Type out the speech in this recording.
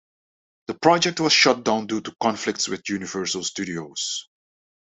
The project was shut down due to conflicts with Universal Studios.